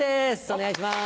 お願いします。